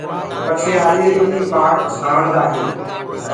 پڇي آڏيريٚ يو ڪيٚ پآڙي ڪوُ ڇآڻدآ هينٚ